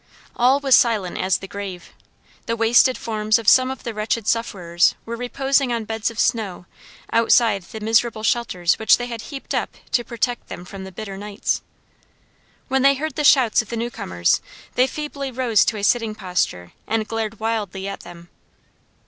All was silent as the grave. The wasted forms of some of the wretched sufferers were reposing on beds of snow outside the miserable shelters which they had heaped up to protect them from the bitter nights. When they heard the shouts of the new comers, they feebly rose to a sitting posture and glared wildly at them.